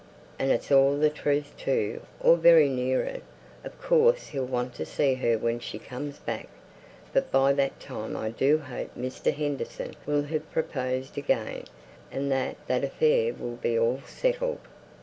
And it's all the truth too, or very near it. Of course he'll want to see her when she comes back; but by that time I do hope Mr. Henderson will have proposed again, and that that affair will be all settled."